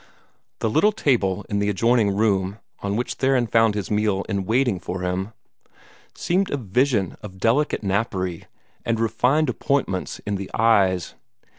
The little table in the adjoining room, on which Theron found his meal in waiting for him, seemed a vision of delicate napery and refined appointments in his eyes.